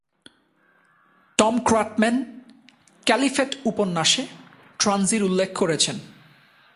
Tom ক্রাটম্যান "ক্যালিফেট" উপন্যাসে ট্রানজির উল্লেখ করেছেন।